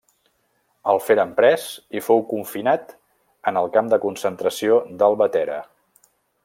El feren pres i fou confinat en el camp de concentració d'Albatera.